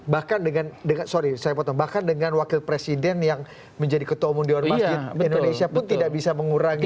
bahkan dengan wakil presiden yang menjadi ketua umum di ormasjid indonesia pun tidak bisa mengurangi